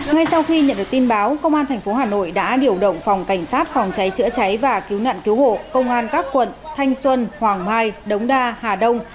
ngay sau khi nhận được tin báo công an tp hà nội đã điều động phòng cảnh sát phòng cháy chữa cháy và cứu nạn cứu hộ công an các quận thanh xuân hoàng mai đống đa hà đông